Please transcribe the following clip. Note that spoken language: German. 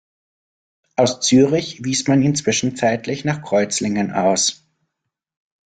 Aus Zürich wies man ihn zwischenzeitlich nach Kreuzlingen aus.